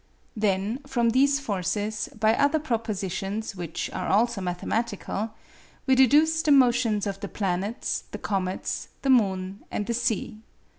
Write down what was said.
Then, from these forces, by other propositions which are also mathematical, we deduce the motions of the planets, the comets, the moon, and the sea.